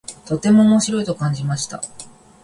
とても面白いと感じました。